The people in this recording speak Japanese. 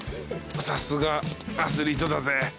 さすがアスリートだぜ。